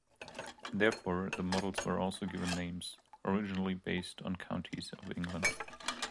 Therefore, the models were also given names, originally based on counties of England.